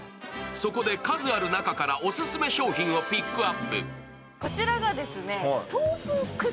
そこで数ある中からオススメ商品をピックアップ。